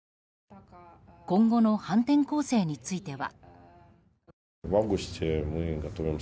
今後の反転攻勢については。